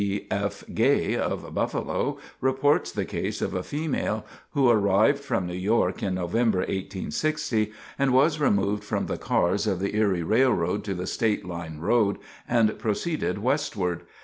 C. C. F. Gay, of Buffalo, reports the case of a female, who arrived from New York in November, 1860, and was removed from the cars of the Erie Railroad to the State Line Road, and proceeded westward.